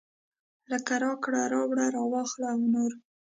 لکه راکړه راوړه راواخله او نور.